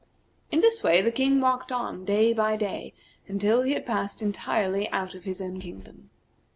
In this way the King walked on day by day until he had passed entirely out of his own kingdom.